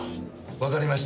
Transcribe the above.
わかりました。